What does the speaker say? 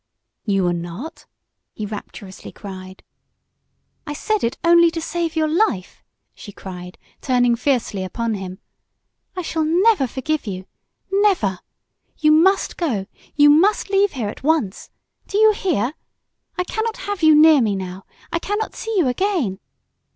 "You were not?" he rapturously cried. "I said it only to save your life!" she cried, turning fiercely upon him. "I shall never forgive you! Never! You must go you must leave here at once! Do you hear? I cannot have you near me now I cannot see you again.